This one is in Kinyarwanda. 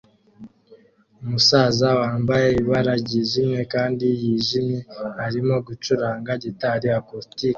Umusaza wambaye ibara ryijimye kandi yijimye arimo gucuranga gitari acoustic